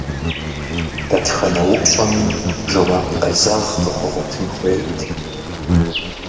Дэтхэнэ упщӏэми жэуап къезэгъ къыхуэгъуэтын хуейт.